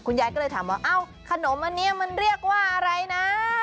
ยายก็เลยถามว่าเอ้าขนมอันนี้มันเรียกว่าอะไรนะ